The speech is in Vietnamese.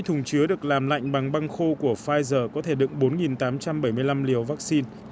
bốn thùng chứa được làm lạnh bằng băng khô của pfizer có thể đựng bốn tám trăm bảy mươi năm liều vaccine